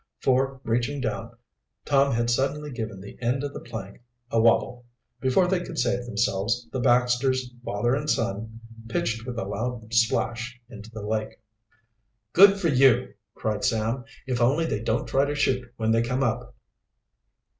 For reaching down, Tom had suddenly given the end of the plank a wobble. Before they could save themselves, the Baxters, father and son, pitched with a loud splash into the lake. "Good for you!" cried Sam. "If only they don't try to shoot when they come up."